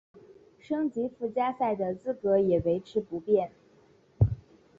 升级附加赛的资格也维持不变。